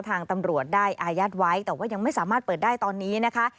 ทางตำรวจได้อายัดไว้แต่ว่ายังไม่สามารถเปิดได้ตอนนี้นะคะ